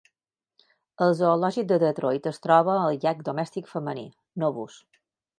Al zoològic de Detroit es troba el yak domèstic femení, Novus.